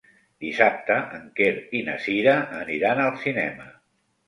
Dissabte en Quer i na Cira aniran al cinema.